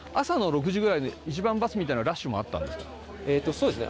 そうですね。